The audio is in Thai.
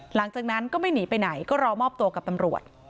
หลังจากนั้นก็ไม่หนีไปไหนก็รอมอบตัวกับตำรวจ